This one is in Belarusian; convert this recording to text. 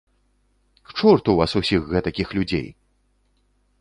К чорту вас усіх гэтакіх людзей!